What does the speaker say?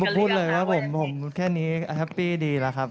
พูดเลยว่าผมแค่นี้แฮปปี้ดีแล้วครับ